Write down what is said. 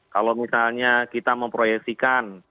kalau misalnya kita memproyeksikan